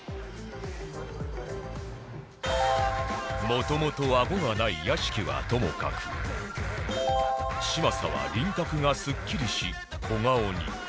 もともとあごがない屋敷はともかく嶋佐は輪郭がすっきりし小顔に